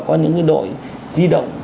có những cái đội di động